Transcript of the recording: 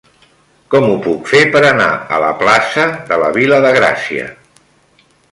Com ho puc fer per anar a la plaça de la Vila de Gràcia?